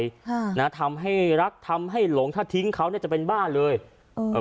ค่ะนะทำให้รักทำให้หลงถ้าทิ้งเขาเนี้ยจะเป็นบ้านเลยเออ